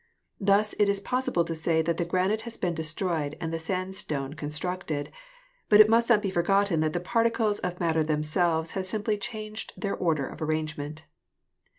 Thus it is possible to say that the granite has been destroyed and the sandstone con structed, but it must not be forgotten that the particles of matter themselves have simply changed their order of ar rangement.